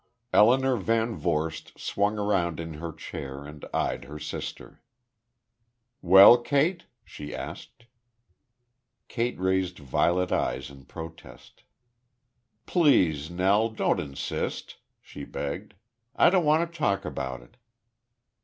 Elinor VanVorst swung around in her chair, and eyed her sister. "Well, Kate?" she asked. Kate raised violet eyes in protest. "Please, Nell, don't insist," she begged. "I don't want to talk about it."